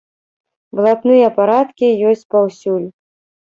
Блатныя парадкі ёсць паўсюль.